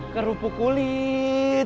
ke rupuk kulit